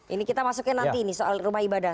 ini kita masukin nanti nih soal rumah ibadah